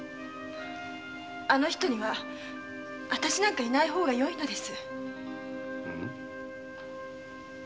あの人には私なんかいない方がよいのです。